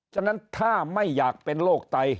ฉะนั้นถ้าไม่อยากเป็นโรคไต